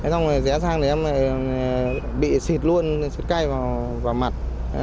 xong rồi rẽ sang thì em bị xịt luôn cay vào mặt